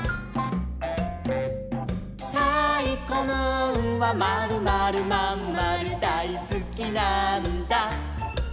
「たいこムーンはまるまるまんまるだいすきなんだ」